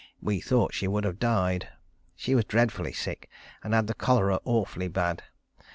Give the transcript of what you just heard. We thought she would have died. She was dreadfully sick, and had the cholera awfully bad.